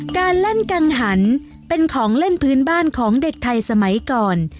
การเล่นกังหันเป็นของเล่นพื้นบ้านของเด็กไทยสมัยก่อน